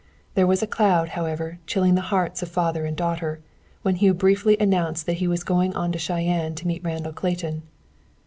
There was a cloud, however, chilling the hearts of father and daughter, when Hugh briefly announced that he was going on to Cheyenne to meet Randall Clayton.